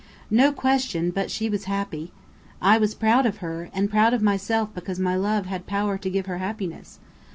No question but she was happy! I was proud of her, and proud of myself because my love had power to give her happiness.